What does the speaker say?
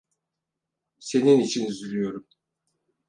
Senin için üzülüyorum.